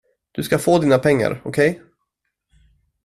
Du ska få dina pengar, okej?